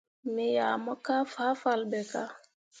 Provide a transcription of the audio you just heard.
Me yah mo kah fahfalle ɓe kah.